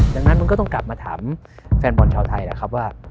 ดังนั้นมันก็ต้องกลับมาถามแฟนบอลชาวไทยแหละครับว่า